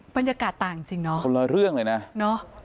บรรยากาศต่างจริงเนาะคนละเรื่องเลยนะเนอะ